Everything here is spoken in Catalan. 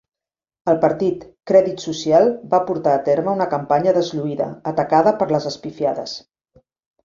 El partir Crèdit Social va portar a terme una campanya deslluïda atacada per les espifiades.